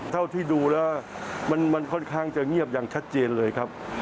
เท่าที่ดูแล้วมันค่อนข้างจะเงียบอย่างชัดเจนเลยครับ